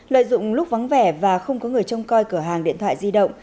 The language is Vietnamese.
lợi dụng lúc vắng vẻ và không có người trông coi cửa hàng điện thoại di động